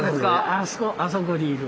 あそこあそこにいる。